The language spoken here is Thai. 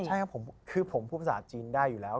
ใช่ครับผมคือผมพูดภาษาจีนได้อยู่แล้ว